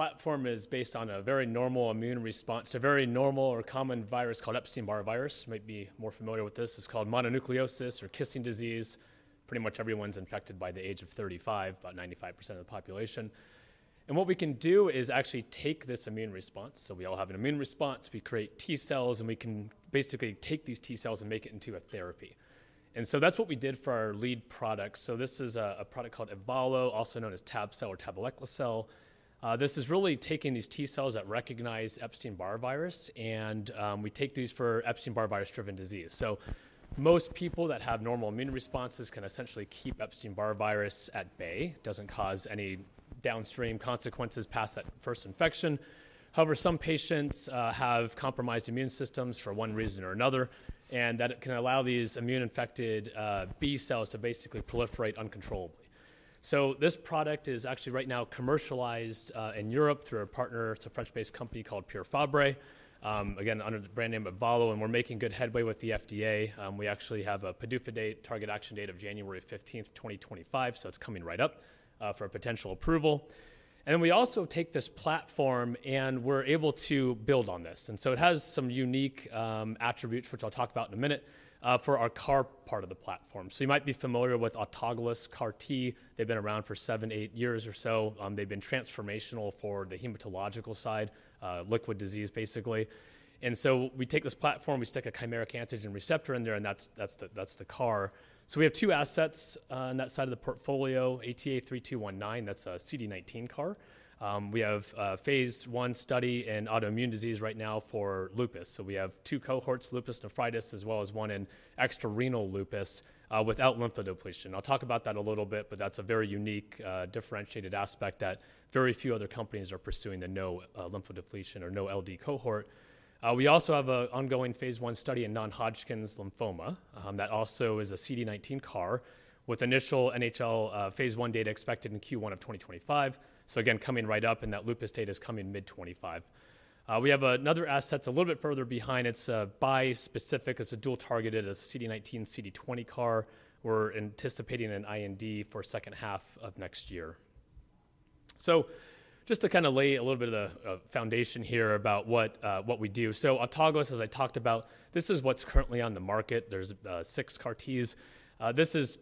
platform is based on a very normal immune response to a very normal or common virus called Epstein-Barr virus. You might be more familiar with this. It's called mononucleosis or kissing disease. Pretty much everyone's infected by the age of 35, about 95% of the population. And what we can do is actually take this immune response. So we all have an immune response. We create T-cells, and we can basically take these T-cells and make it into a therapy. And so that's what we did for our lead product. So this is a product called Ebvallo, also known as Tab-cel or tabelecleucel. This is really taking these T-cells that recognize Epstein-Barr virus, and we take these for Epstein-Barr virus-driven disease. So most people that have normal immune responses can essentially keep Epstein-Barr virus at bay. It doesn't cause any downstream consequences past that first infection. However, some patients have compromised immune systems for one reason or another, and that can allow these EBV-infected B cells to basically proliferate uncontrollably. So this product is actually right now commercialized in Europe through our partner. It's a French-based company called Pierre Fabre, again under the brand name Ebvallo, and we're making good headway with the FDA. We actually have a PDUFA date target action date of January 15th, 2025, so it's coming right up for a potential approval. And then we also take this platform and we're able to build on this. And so it has some unique attributes, which I'll talk about in a minute, for our CAR part of the platform. So you might be familiar with autologous CAR-T. They've been around for seven, eight years or so. They've been transformational for the hematological side, liquid disease basically. And so we take this platform, we stick a chimeric antigen receptor in there, and that's the CAR. So we have two assets on that side of the portfolio, ATA3219, that's a CD19 CAR. We have a phase 1 study in autoimmune disease right now for lupus. So we have two cohorts, lupus nephritis, as well as one in extrarenal lupus without lymphodepletion. I'll talk about that a little bit, but that's a very unique differentiated aspect that very few other companies are pursuing that no lymphodepletion or no LD cohort. We also have an ongoing phase 1 study in non-Hodgkin lymphoma that also is a CD19 CAR with initial NHL phase 1 data expected in Q1 of 2025. So again, coming right up, and that lupus data is coming mid-2025. We have another asset a little bit further behind. It's a bispecific. It's a dual-targeted CD19, CD20 CAR. We're anticipating an IND for the second half of next year. So just to kind of lay a little bit of a foundation here about what we do. So autologous, as I talked about, this is what's currently on the market. There's six CAR-Ts. This is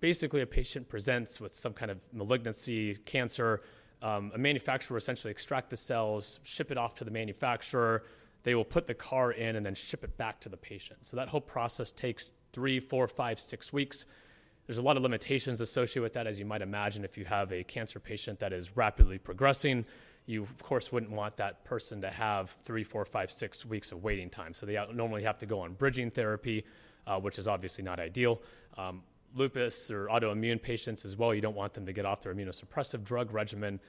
basically a patient presents with some kind of malignancy, cancer. A manufacturer will essentially extract the cells, ship it off to the manufacturer. They will put the CAR in and then ship it back to the patient. So that whole process takes three, four, five, six weeks. There's a lot of limitations associated with that, as you might imagine. If you have a cancer patient that is rapidly progressing, you, of course, wouldn't want that person to have three, four, five, six weeks of waiting time. So they normally have to go on bridging therapy, which is obviously not ideal. Lupus or autoimmune patients as well, you don't want them to get off their immunosuppressive drug regimen.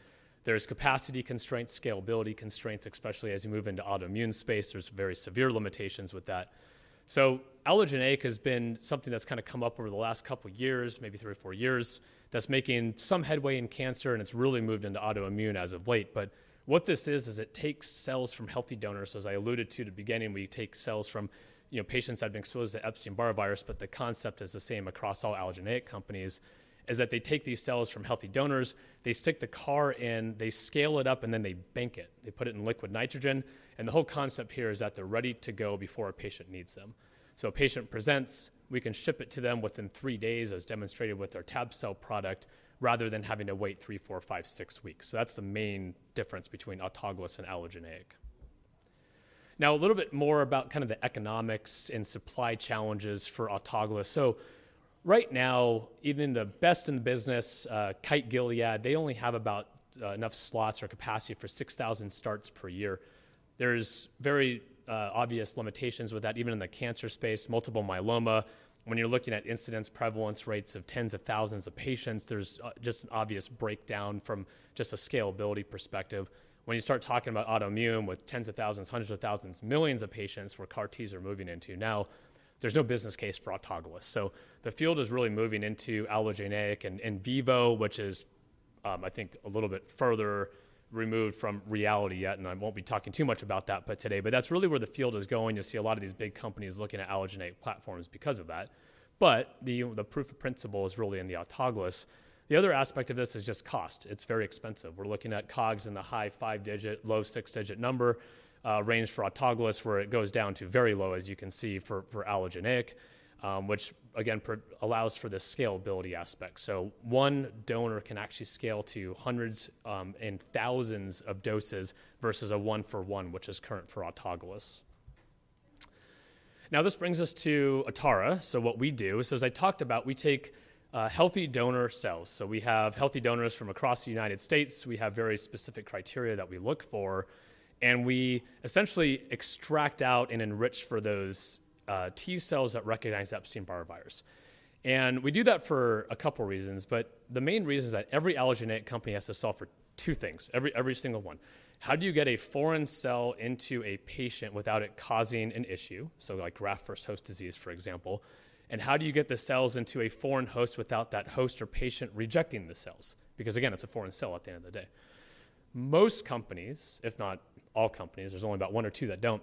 There's capacity constraints, scalability constraints, especially as you move into autoimmune space. There's very severe limitations with that. So allogeneic has been something that's kind of come up over the last couple of years, maybe three or four years. That's making some headway in cancer, and it's really moved into autoimmune as of late. But what this is, is it takes cells from healthy donors. As I alluded to at the beginning, we take cells from patients that have been exposed to Epstein-Barr virus, but the concept is the same across all allogeneic companies, is that they take these cells from healthy donors, they stick the CAR in, they scale it up, and then they bank it. They put it in liquid nitrogen. The whole concept here is that they're ready to go before a patient needs them. So a patient presents, we can ship it to them within three days, as demonstrated with our Tab-cel product, rather than having to wait three, four, five, six weeks. So that's the main difference between autologous and allogeneic. Now, a little bit more about kind of the economics and supply challenges for autologous. So right now, even the best in the business, Kite Gilead, they only have about enough slots or capacity for 6,000 starts per year. There's very obvious limitations with that, even in the cancer space, multiple myeloma. When you're looking at incidence prevalence rates of tens of thousands of patients, there's just an obvious breakdown from just a scalability perspective. When you start talking about autoimmune with tens of thousands, hundreds of thousands, millions of patients where CAR-Ts are moving into now, there's no business case for autologous, so the field is really moving into allogeneic and in vivo, which is, I think, a little bit further removed from reality yet, and I won't be talking too much about that today, but that's really where the field is going. You'll see a lot of these big companies looking at allogeneic platforms because of that, but the proof of principle is really in the autologous. The other aspect of this is just cost. It's very expensive. We're looking at COGS in the high five-digit, low six-digit number range for autologous, where it goes down to very low, as you can see for allogeneic, which again allows for the scalability aspect. One donor can actually scale to hundreds and thousands of doses versus a one-for-one, which is current for autologous. Now, this brings us to Atara. What we do is, as I talked about, we take healthy donor cells. We have healthy donors from across the United States. We have very specific criteria that we look for, and we essentially extract out and enrich for those T-cells that recognize Epstein-Barr virus. We do that for a couple of reasons, but the main reason is that every allogeneic company has to solve for two things, every single one. How do you get a foreign cell into a patient without it causing an issue? Like graft-versus-host disease, for example. How do you get the cells into a foreign host without that host or patient rejecting the cells? Because again, it's a foreign cell at the end of the day. Most companies, if not all companies, there's only about one or two that don't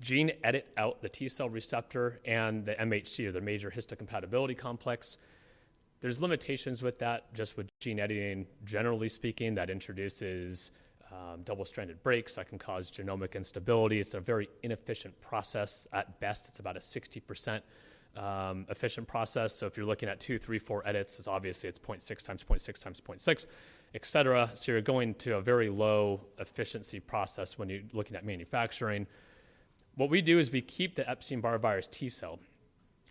gene edit out the T-cell receptor and the MHC, or the major histocompatibility complex. There's limitations with that, just with gene editing, generally speaking, that introduces double-stranded breaks that can cause genomic instability. It's a very inefficient process. At best, it's about a 60% efficient process. So if you're looking at two, three, four edits, it's obviously 0.6 times 0.6 times 0.6, et cetera. So you're going to a very low efficiency process when you're looking at manufacturing. What we do is we keep the Epstein-Barr virus T-cell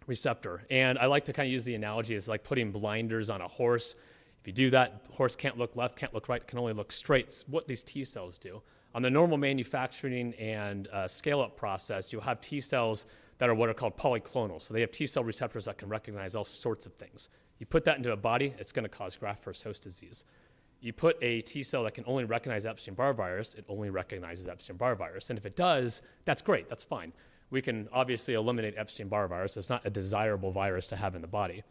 receptor. And I like to kind of use the analogy as like putting blinders on a horse. If you do that, horse can't look left, can't look right, can only look straight. It's what these T-cells do. On the normal manufacturing and scale-up process, you'll have T-cells that are what are called polyclonal. So they have T cell receptors that can recognize all sorts of things. You put that into a body, it's going to cause graft-versus-host disease. You put a T cell that can only recognize Epstein-Barr virus, it only recognizes Epstein-Barr virus. And if it does, that's great. That's fine. We can obviously eliminate Epstein-Barr virus. It's not a desirable virus to have in the body.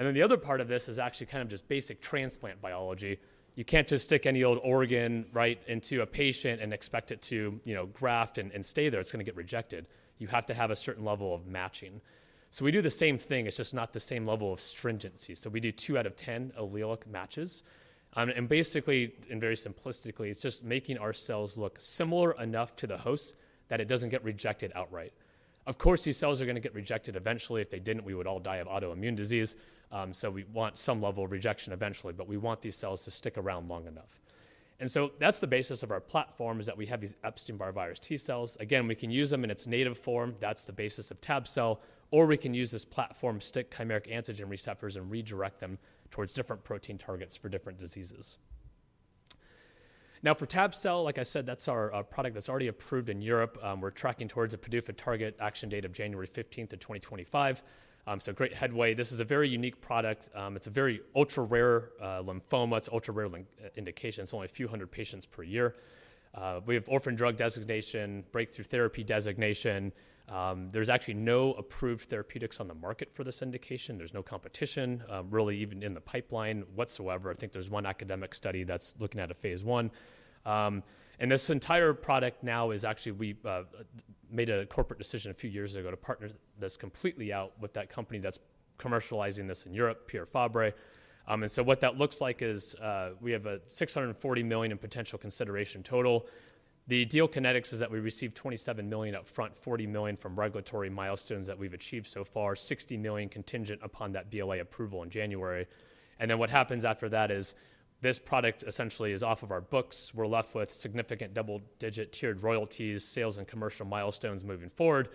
And then the other part of this is actually kind of just basic transplant biology. You can't just stick any old organ right into a patient and expect it to graft and stay there. It's going to get rejected. You have to have a certain level of matching. So we do the same thing. It's just not the same level of stringency. So we do two out of ten allelic matches. And basically, and very simplistically, it's just making our cells look similar enough to the host that it doesn't get rejected outright. Of course, these cells are going to get rejected eventually. If they didn't, we would all die of autoimmune disease. So we want some level of rejection eventually, but we want these cells to stick around long enough. And so that's the basis of our platform is that we have these Epstein-Barr virus T-cells. Again, we can use them in its native form. That's the basis of Tab-cel. Or we can use this platform, stick chimeric antigen receptors and redirect them towards different protein targets for different diseases. Now, for Tab-cel, like I said, that's our product that's already approved in Europe. We're tracking towards a PDUFA target action date of January 15th of 2025, so great headway. This is a very unique product. It's a very ultra-rare lymphoma. It's ultra-rare indication. It's only a few hundred patients per year. We have orphan drug designation, breakthrough therapy designation. There's actually no approved therapeutics on the market for this indication. There's no competition really, even in the pipeline whatsoever. I think there's one academic study that's looking at a phase one, and this entire product now is actually we made a corporate decision a few years ago to partner this completely out with that company that's commercializing this in Europe, Pierre Fabre, and so what that looks like is we have $640 million in potential consideration total. The deal kinetics is that we received $27 million upfront, $40 million from regulatory milestones that we've achieved so far, $60 million contingent upon that BLA approval in January. Then what happens after that is this product essentially is off of our books. We're left with significant double-digit tiered royalties, sales and commercial milestones moving forward,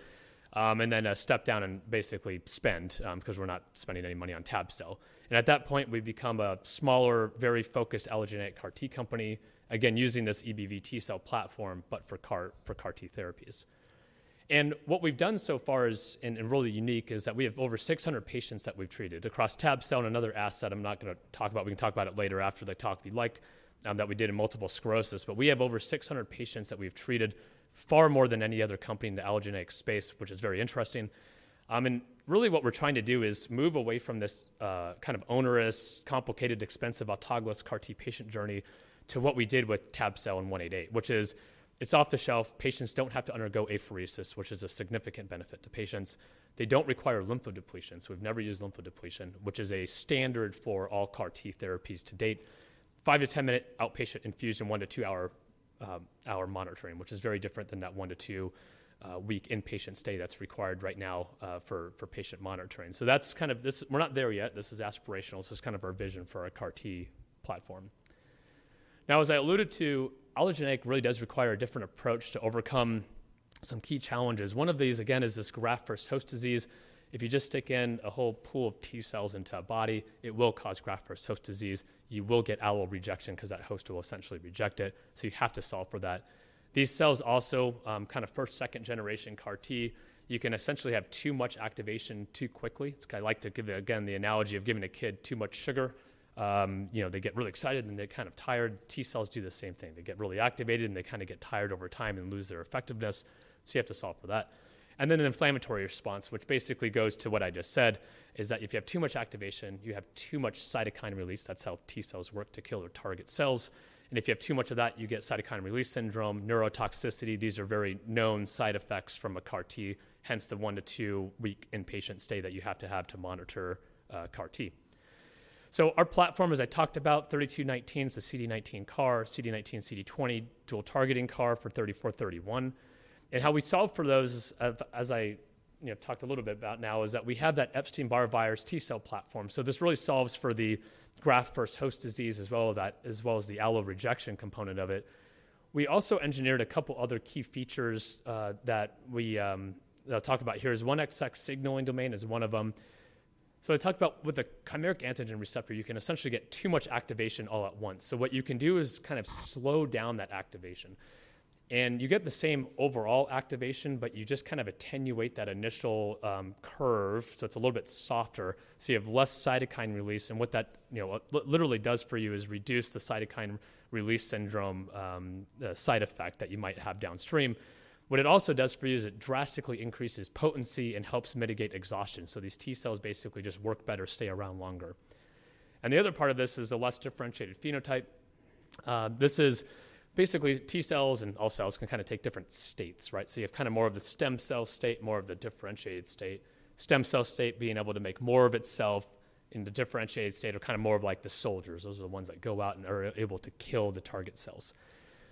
and then a step down and basically spend because we're not spending any money on Tab-cel. At that point, we become a smaller, very focused allogeneic CAR-T company, again using this EBV-T cell platform, but for CAR-T therapies. What we've done so far is, and really unique, is that we have over 600 patients that we've treated across Tab-cel and another asset I'm not going to talk about. We can talk about it later after the talk if you'd like, that we did in multiple sclerosis. But we have over 600 patients that we've treated far more than any other company in the allogeneic space, which is very interesting. And really what we're trying to do is move away from this kind of onerous, complicated, expensive autologous CAR-T patient journey to what we did with Tab-cel and 188, which is it's off the shelf. Patients don't have to undergo apheresis, which is a significant benefit to patients. They don't require lymphodepletion. So we've never used lymphodepletion, which is a standard for all CAR-T therapies to date. Five- to ten-minute outpatient infusion, one- to two-hour monitoring, which is very different than that one- to two-week inpatient stay that's required right now for patient monitoring. So that's kind of this we're not there yet. This is aspirational. This is kind of our vision for our CAR-T platform. Now, as I alluded to, allogeneic really does require a different approach to overcome some key challenges. One of these, again, is this graft-versus-host disease. If you just stick in a whole pool of T-cells into a body, it will cause graft-versus-host disease. You will get allo rejection because that host will essentially reject it. So you have to solve for that. These cells also kind of first, second generation CAR-T, you can essentially have too much activation too quickly. It's kind of like to give it, again, the analogy of giving a kid too much sugar. They get really excited and they're kind of tired. T-cells do the same thing. They get really activated and they kind of get tired over time and lose their effectiveness. So you have to solve for that. An inflammatory response, which basically goes to what I just said, is that if you have too much activation, you have too much cytokine release. That's how T-cells work to kill their target cells. If you have too much of that, you get cytokine release syndrome, neurotoxicity. These are very known side effects from a CAR-T, hence the one- to two-week inpatient stay that you have to have to monitor CAR-T. Our platform, as I talked about, 3219, it's a CD19 CAR, CD19, CD20, dual-targeting CAR for 3431. How we solve for those, as I talked a little bit about now, is that we have that Epstein-Barr virus T cell platform. This really solves for the graft-versus-host disease as well, as well as the allo rejection component of it. We also engineered a couple of other key features that we talk about here. 1XX signaling domain is one of them. So I talked about with a chimeric antigen receptor, you can essentially get too much activation all at once. So what you can do is kind of slow down that activation. And you get the same overall activation, but you just kind of attenuate that initial curve. So it's a little bit softer. So you have less cytokine release. And what that literally does for you is reduce the cytokine release syndrome side effect that you might have downstream. What it also does for you is it drastically increases potency and helps mitigate exhaustion. So these T-cells basically just work better, stay around longer. And the other part of this is the less differentiated phenotype. This is basically T-cells and all cells can kind of take different states, right? So you have kind of more of the stem cell state, more of the differentiated state. Stem cell state being able to make more of itself in the differentiated state are kind of more of like the soldiers. Those are the ones that go out and are able to kill the target cells.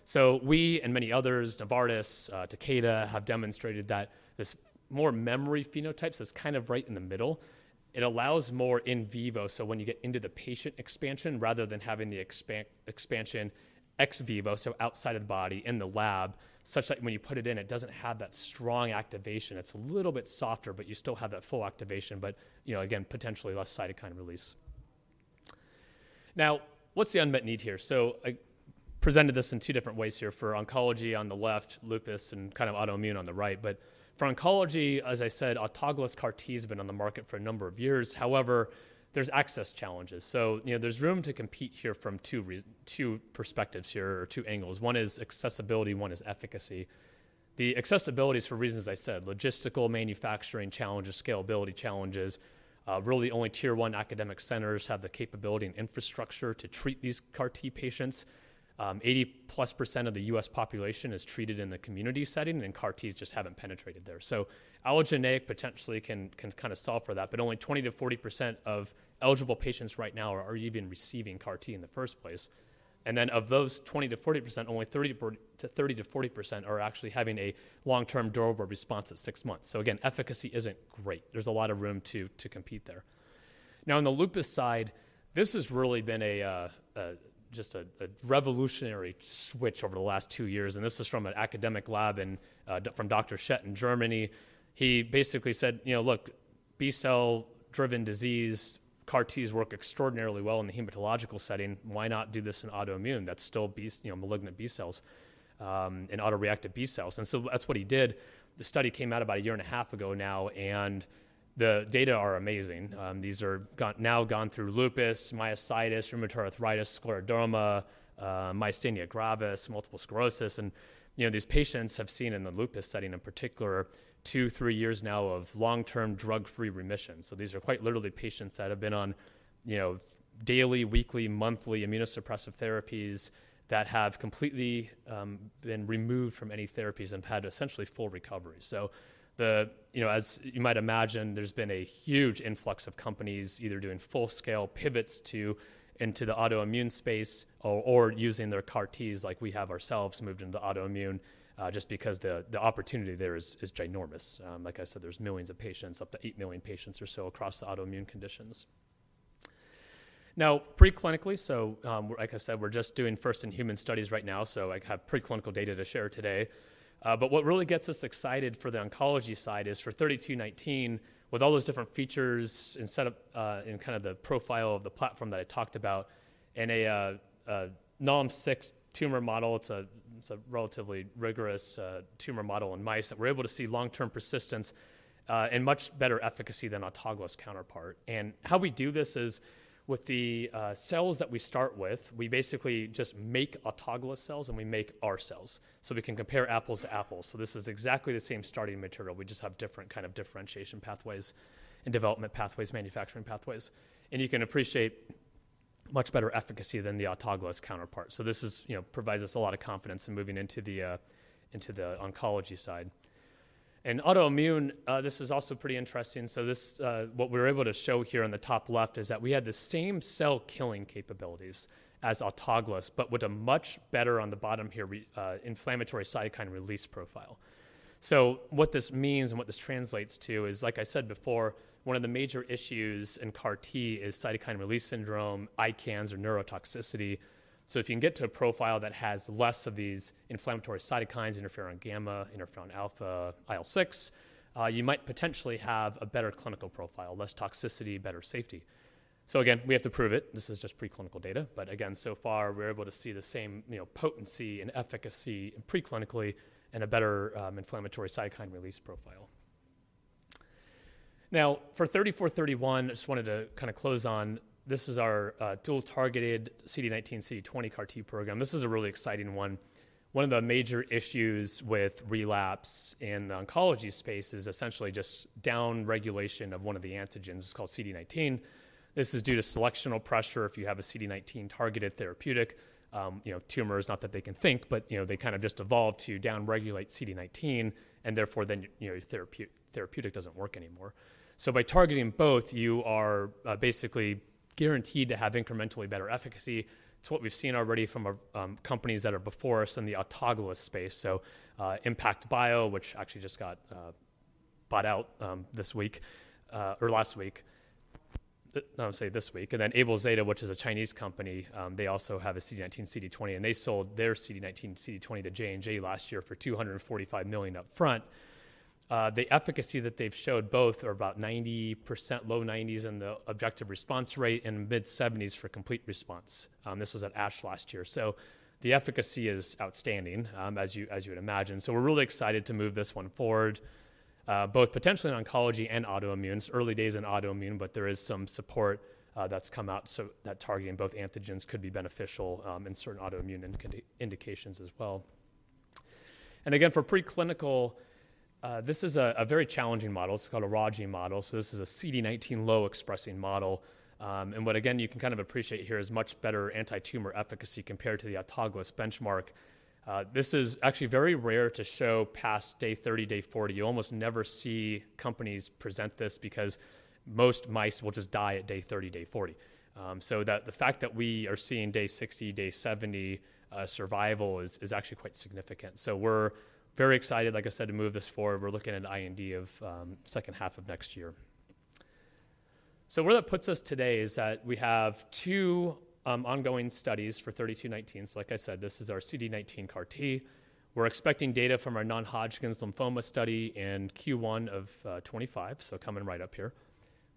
So we and many others, Novartis, Takeda, have demonstrated that this more memory phenotype, so it's kind of right in the middle, it allows more in vivo. So when you get into the patient expansion rather than having the expansion ex vivo, so outside of the body in the lab, such that when you put it in, it doesn't have that strong activation. It's a little bit softer, but you still have that full activation, but again, potentially less cytokine release. Now, what's the unmet need here? So I presented this in two different ways here for oncology on the left, lupus, and kind of autoimmune on the right. But for oncology, as I said, autologous CAR-T has been on the market for a number of years. However, there's access challenges. So there's room to compete here from two perspectives here or two angles. One is accessibility, one is efficacy. The accessibility is for reasons, as I said, logistical, manufacturing challenges, scalability challenges. Really, only tier one academic centers have the capability and infrastructure to treat these CAR-T patients. 80+% of the U.S. population is treated in the community setting, and CAR-Ts just haven't penetrated there. So allogeneic potentially can kind of solve for that, but only 20%-40% of eligible patients right now are even receiving CAR-T in the first place. Then of those 20%-40%, only 30%-40% are actually having a long-term durable response at six months. Again, efficacy isn't great. There's a lot of room to compete there. Now, on the lupus side, this has really been just a revolutionary switch over the last two years. This is from an academic lab from Dr. Schett in Germany. He basically said, "Look, B-cell-driven disease, CAR-Ts work extraordinarily well in the hematological setting. Why not do this in autoimmune? That's still malignant B cells and autoreactive B cells." So that's what he did. The study came out about a year and a half ago now, and the data are amazing. These are now gone through lupus, myositis, rheumatoid arthritis, scleroderma, myasthenia gravis, multiple sclerosis. These patients have seen in the lupus setting in particular two, three years now of long-term drug-free remission. These are quite literally patients that have been on daily, weekly, monthly immunosuppressive therapies that have completely been removed from any therapies and had essentially full recovery. As you might imagine, there's been a huge influx of companies either doing full-scale pivots into the autoimmune space or using their CAR-Ts like we have ourselves moved into the autoimmune just because the opportunity there is ginormous. Like I said, there's millions of patients, up to eight million patients or so across the autoimmune conditions. Now, preclinically, like I said, we're just doing first-in-human studies right now. I have preclinical data to share today. But what really gets us excited for the oncology side is for 3219, with all those different features and set up in kind of the profile of the platform that I talked about and a NALM-6 tumor model. It's a relatively rigorous tumor model in mice that we're able to see long-term persistence and much better efficacy than autologous counterpart. And how we do this is with the cells that we start with. We basically just make autologous cells and we make our cells so we can compare apples to apples. So this is exactly the same starting material. We just have different kind of differentiation pathways and development pathways, manufacturing pathways. And you can appreciate much better efficacy than the autologous counterpart. So this provides us a lot of confidence in moving into the oncology side. And autoimmune, this is also pretty interesting. So what we were able to show here on the top left is that we had the same cell-killing capabilities as autologous, but with a much better on the bottom here, inflammatory cytokine release profile. So what this means and what this translates to is, like I said before, one of the major issues in CAR-T is cytokine release syndrome, ICANS, or neurotoxicity. So if you can get to a profile that has less of these inflammatory cytokines, interferon gamma, interferon alpha, IL-6, you might potentially have a better clinical profile, less toxicity, better safety. So again, we have to prove it. This is just preclinical data. But again, so far, we're able to see the same potency and efficacy preclinically and a better inflammatory cytokine release profile. Now, for 3431, I just wanted to kind of close on. This is our dual-targeted CD19, CD20 CAR-T program. This is a really exciting one. One of the major issues with relapse in the oncology space is essentially just downregulation of one of the antigens. It's called CD19. This is due to selective pressure. If you have a CD19-targeted therapeutic, tumors, not that they can think, but they kind of just evolve to downregulate CD19, and therefore then your therapeutic doesn't work anymore. So by targeting both, you are basically guaranteed to have incrementally better efficacy. It's what we've seen already from companies that are before us in the autologous space. So ImmPact Bio, which actually just got bought out this week or last week, I'll say this week, and then AbelZeta, which is a Chinese company, they also have a CD19, CD20, and they sold their CD19, CD20 to J&J last year for $245 million upfront. The efficacy that they've showed both are about 90%, low 90s in the objective response rate and mid 70s for complete response. This was at ASH last year. So the efficacy is outstanding, as you would imagine. So we're really excited to move this one forward, both potentially in oncology and autoimmune. It's early days in autoimmune, but there is some support that's come out that targeting both antigens could be beneficial in certain autoimmune indications as well. And again, for preclinical, this is a very challenging model. It's called a Raji model. So this is a CD19 low expressing model. And what again you can kind of appreciate here is much better anti-tumor efficacy compared to the autologous benchmark. This is actually very rare to show past day 30, day 40. You almost never see companies present this because most mice will just die at day 30, day 40. So the fact that we are seeing day 60, day 70 survival is actually quite significant. So we're very excited, like I said, to move this forward. We're looking at IND of second half of next year. So where that puts us today is that we have two ongoing studies for 3219. So like I said, this is our CD19 CAR-T. We're expecting data from our non-Hodgkin's lymphoma study in Q1 of 2025, so coming right up here.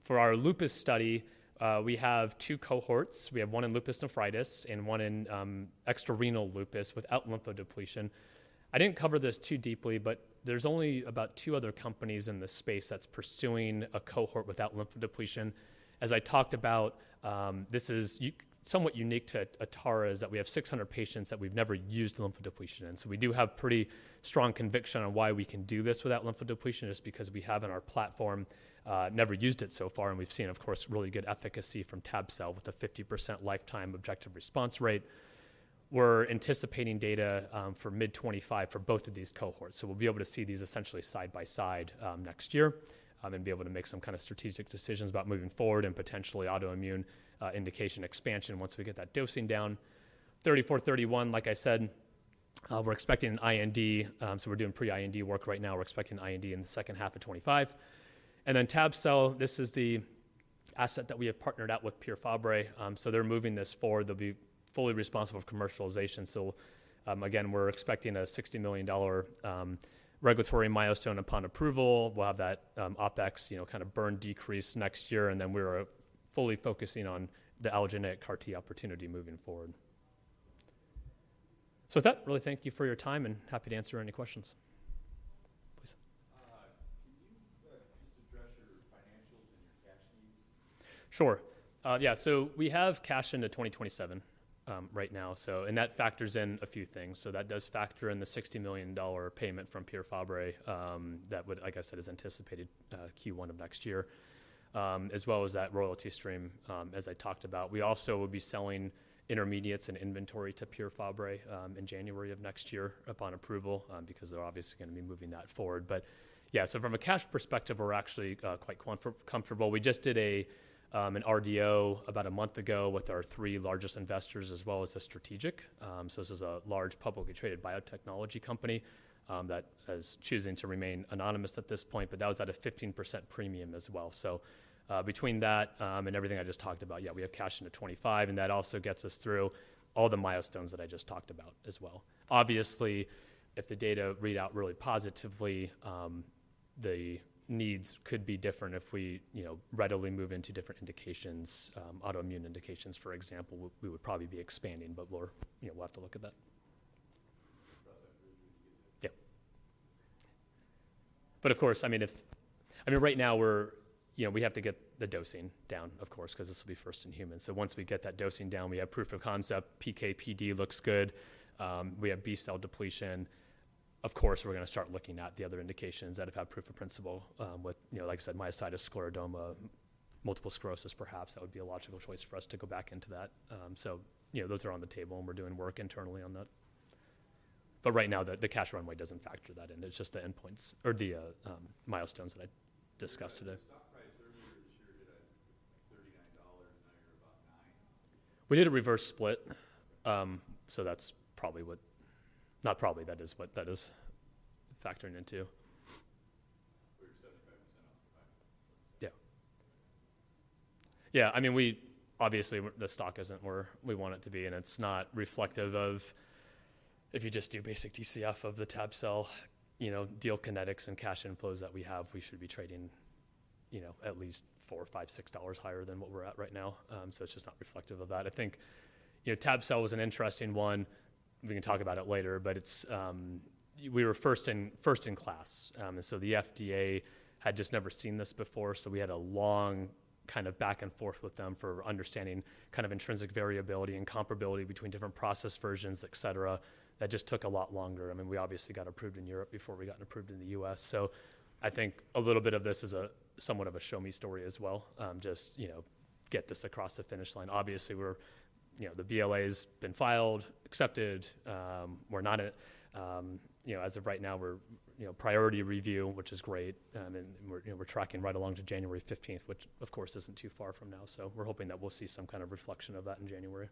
For our lupus study, we have two cohorts. We have one in lupus nephritis and one in extrarenal lupus without lymphodepletion. I didn't cover this too deeply, but there's only about two other companies in the space that's pursuing a cohort without lymphodepletion. As I talked about, this is somewhat unique to Atara is that we have 600 patients that we've never used lymphodepletion in. We do have pretty strong conviction on why we can do this without lymphodepletion just because we have in our platform never used it so far. We've seen, of course, really good efficacy from Tab-cel with a 50% lifetime objective response rate. We're anticipating data for mid 2025 for both of these cohorts. We'll be able to see these essentially side by side next year and be able to make some kind of strategic decisions about moving forward and potentially autoimmune indication expansion once we get that dosing down. ATA3431, like I said, we're expecting an IND. We're doing pre-IND work right now. We're expecting IND in the second half of 2025. Tab-cel, this is the asset that we have partnered out with Pierre Fabre. They're moving this forward. They'll be fully responsible for commercialization. So again, we're expecting a $60 million regulatory milestone upon approval. We'll have that OpEx kind of burn decrease next year. And then we're fully focusing on the allogeneic CAR-T opportunity moving forward. So with that, really thank you for your time and happy to answer any questions. Please. Can you just address your financials and your cash needs? Sure. Yeah. So we have cash into 2027 right now. And that factors in a few things. So that does factor in the $60 million payment from Pierre Fabre that would, like I said, is anticipated Q1 of next year, as well as that royalty stream, as I talked about. We also will be selling intermediates and inventory to Pierre Fabre in January of next year upon approval because they're obviously going to be moving that forward. But yeah, so from a cash perspective, we're actually quite comfortable. We just did an RDO about a month ago with our three largest investors as well as a strategic. So this is a large publicly traded biotechnology company that is choosing to remain anonymous at this point, but that was at a 15% premium as well. So between that and everything I just talked about, yeah, we have cash into 2025. And that also gets us through all the milestones that I just talked about as well. Obviously, if the data read out really positively, the needs could be different if we readily move into different indications, autoimmune indications, for example, we would probably be expanding, but we'll have to look at that. That's a good way to get there. Yeah. But of course, I mean, right now we have to get the dosing down, of course, because this will be first in humans. So once we get that dosing down, we have proof of concept. PK, PD looks good. We have B cell depletion. Of course, we're going to start looking at the other indications that have had proof of principle with, like I said, myositis, scleroderma, multiple sclerosis. Perhaps that would be a logical choice for us to go back into that. So those are on the table and we're doing work internally on that. But right now, the cash runway doesn't factor that in. It's just the endpoints or the milestones that I discussed today. The stock price earlier this year did at $39 and now you're about $9. We did a reverse split. So that's probably what, not probably, that is what that is factoring into. We were 75% off the back. Yeah. Yeah. I mean, obviously, the stock isn't where we want it to be. And it's not reflective of if you just do basic DCF of the Tab-cel, deal kinetics and cash inflows that we have. We should be trading at least $4-$6 higher than what we're at right now. So it's just not reflective of that. I think Tab-cel was an interesting one. We can talk about it later, but we were first in class. And so the FDA had just never seen this before. So we had a long kind of back and forth with them for understanding kind of intrinsic variability and comparability between different process versions, etc. That just took a lot longer. I mean, we obviously got approved in Europe before we got approved in the U.S. So I think a little bit of this is somewhat of a show me story as well, just get this across the finish line. Obviously, the BLA has been filed and accepted. We're now, as of right now, in priority review, which is great, and we're tracking right along to January 15th, which, of course, isn't too far from now, so we're hoping that we'll see some kind of reflection of that in January.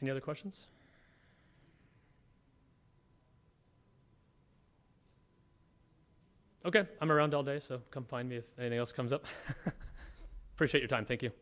Any other questions? Okay. I'm around all day, so come find me if anything else comes up. Appreciate your time. Thank you.